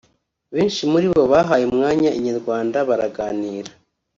Benshi muri bo bahaye umwanya Inyarwanda baraganira